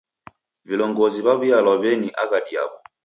Vilongozi w'aw'ialwa w'eni aghadi yaw'o.